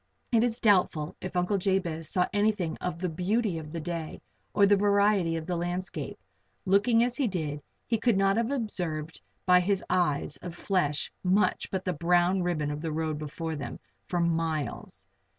It is doubtful if Uncle Jabez saw anything of the beauty of the day or the variety of the landscape. Looking as he did he could not have observed by his eyes of flesh much but the brown ribbon of road before them, for miles.